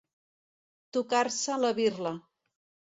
Tocar-se la birla.